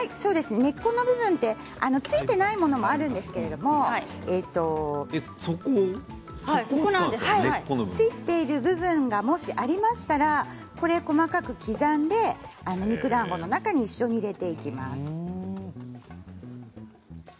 根っこの部分がついていないものもあるんですけどついている部分がもし、ありましたら細かく刻んで肉だんごの中に一緒に入れていきます。